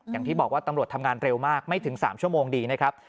อย่างที่บอกว่าตำรวจทำงานเร็วมากไม่ถึง๓ชั่วโมงดีนะครับ